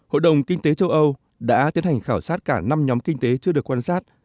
hội đồng kinh tế châu âu đã tiến hành khảo sát cả năm nhóm kinh tế chưa được quan sát